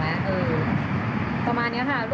ประมาณนี้ค่ะรูปก็ไม่ได้แสดงหัศจรรย์